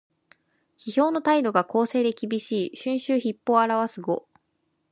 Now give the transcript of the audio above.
批評の態度が公正できびしい「春秋筆法」を表す語。